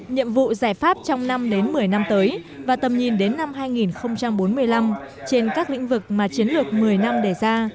nhiệm vụ giải pháp trong năm đến một mươi năm tới và tầm nhìn đến năm hai nghìn bốn mươi năm trên các lĩnh vực mà chiến lược một mươi năm đề ra